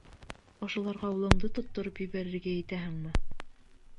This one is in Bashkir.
Ошоларға улыңды тоттороп ебәрергә итәһеңме?